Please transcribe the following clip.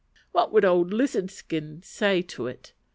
What would old "Lizard Skin" say to it?